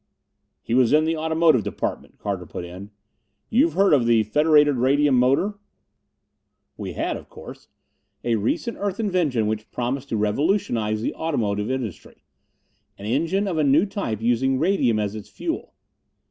"He was in the Automotive Department," Carter put in. "You've heard of the Federated Radium Motor?" We had, of course. A recent Earth invention which promised to revolutionize the automotive industry. An engine of a new type, using radium as its fuel.